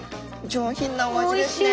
上品なお味ですね。